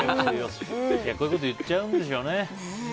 こういうこと言っちゃうんでしょうね。